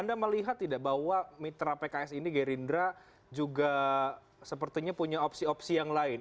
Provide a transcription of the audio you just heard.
anda melihat tidak bahwa mitra pks ini gerindra juga sepertinya punya opsi opsi yang lain